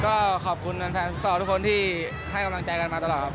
ก็ขอบคุณแฟนฟุตซอลทุกคนที่ให้กำลังใจกันมาตลอดครับ